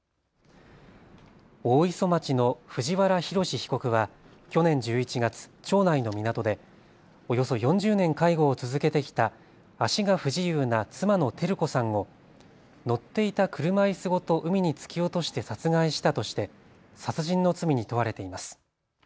大磯町の藤原宏被告は去年１１月、町内の港でおよそ４０年介護を続けてきた足が不自由な妻の照子さんを乗っていた車いすごと海に突き落として殺害したとして殺人の罪に問われています。